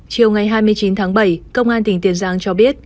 chiều ngày hai mươi chín tháng bảy công an tỉnh tiền giang cho biết